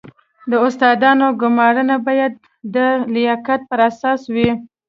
د استادانو ګمارنه باید د لیاقت پر اساس وي